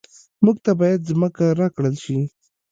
موږ ته باید ځمکه راکړل شي